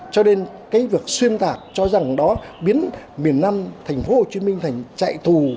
cho nên cái việc xuyên tạc cho rằng đó biến miền nam thành phố hồ chí minh thành chạy thù